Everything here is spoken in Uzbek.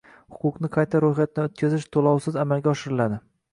Huquqni qayta roʼyxatdan oʼtkazish toʼlovsiz amalga oshiriladi.